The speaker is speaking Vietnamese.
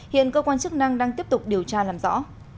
hiện cơ quan chức năng đang tiếp tục điều tra làm rõ